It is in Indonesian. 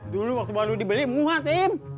dulu waktu baru dibeli muat tim